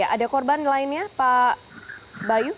ada korban lainnya pak bayu